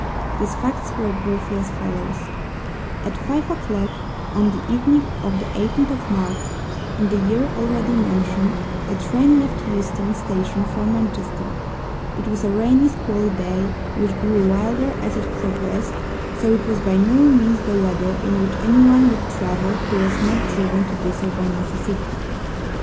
These facts were briefly as follows: At five o'clock on the evening of the 18th of March in the year already mentioned a train left Euston Station for Manchester. It was a rainy, squally day, which grew wilder as it progressed, so it was by no means the weather in which anyone would travel who was not driven to do so by necessity.